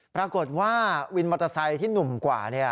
ปรากฏว่าวินมอเตอร์ไซค์ที่หนุ่มกว่า